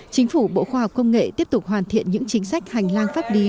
chính phủ bộ khoa học công nghệ tiếp tục hoàn thiện những chính sách hành lang pháp lý